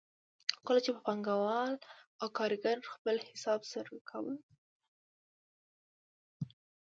خو کله چې به پانګوال او کارګر خپل حساب سره کاوه